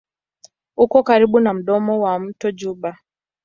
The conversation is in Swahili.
Uko karibu na mdomo wa mto Juba.